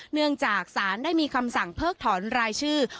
เนื่องจากสารได้มีคำสั่งเพิกถอนรายชื่อ